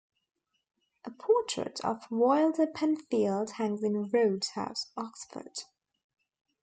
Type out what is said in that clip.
A portrait of Wilder Penfield hangs in Rhodes House, Oxford.